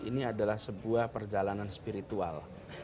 ini adalah sebuah perjalanan spiritual